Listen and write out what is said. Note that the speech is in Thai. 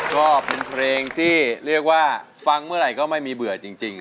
กระแซะกระแซะกระแซะเข้ามาสิ